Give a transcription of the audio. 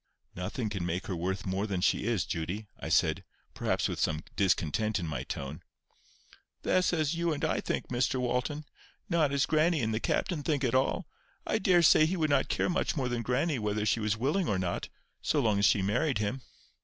"Nothing can make her worth more than she is, Judy," I said, perhaps with some discontent in my tone. "That's as you and I think, Mr Walton; not as grannie and the captain think at all. I daresay he would not care much more than grannie whether she was willing or not, so long as she married him."